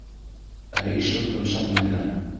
Ә ишек ҡымшанмай ҙа.